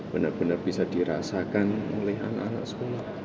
benar benar bisa dirasakan oleh anak anak sekolah